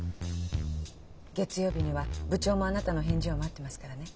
月曜日には部長もあなたの返事を待ってますからね。